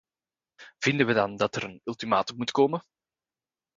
Vinden we dan dat er een ultimatum moet komen?